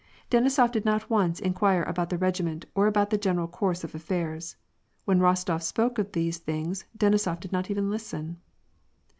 Denisof did not once inquire about the regiment or about the general course of affairs. When Rostof spoke of these things, Denisof did not even listen.